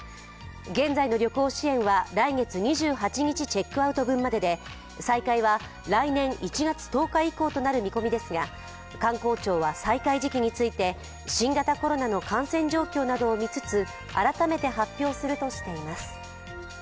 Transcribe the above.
現在の旅行支援は来月２８日チェックアウト分までで再開は来年１月１０日以降となる見込みですが、観光庁は再開時期について新型コロナの感染状況などを見つつ改めて発表するとしています。